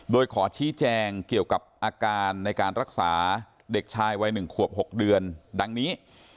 โดยขอชี้แจงเกี่ยวกับอาการในการรักษาเด็กชายวัย๑ขวบ๖เดือนดังนี้